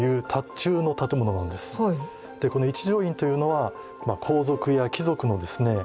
一乗院というのは皇族や貴族のですね